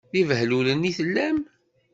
D ibehlulen i tellam.